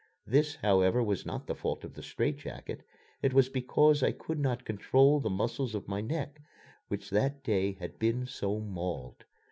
This, however, was not the fault of the straitjacket. It was because I could not control the muscles of my neck which that day had been so mauled.